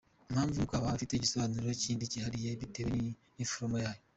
Impamvu nuko aba afite igisobanuro kindi cyihariye bitewe n'iforoma yayo.